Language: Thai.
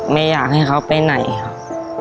ไม่อยากให้เขาไปไหนครับ